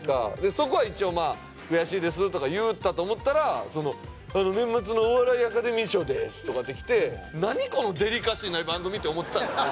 そこは一応「悔しいです」とか言うたと思ったら「あの年末のお笑いアカデミー賞です」とかって来て何このデリカシーない番組って思ってたんですよ